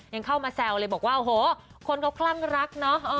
ยังเข้ามาแซวเลยบอกว่าโอ้โหคนเขาคลั่งรักเนอะ